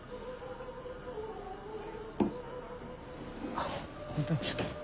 あっ本当にちょっと。